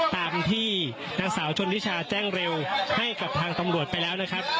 ตามที่นางสาวชนนิชาแจ้งเร็วให้กับทางตำรวจไปแล้วนะครับ